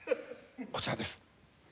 こちらです。